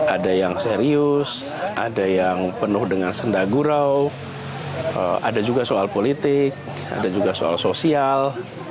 ada yang serius ada yang penuh dengan sendagurau ada juga soal politik ada juga soal sosial